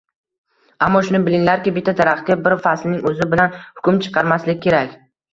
Ammo shuni bilinglarki, bitta daraxtga bir faslning o`zi bilan hukm chiqarmaslik kerak